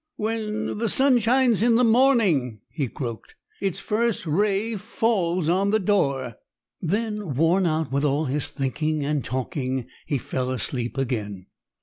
"When the sun shines in the morning," he croaked, "its first ray falls on the door." Then, worn out with all his thinking and talking, he fell asleep again.